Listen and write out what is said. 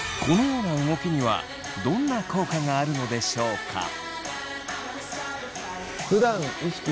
このような動きにはどんな効果があるのでしょうか？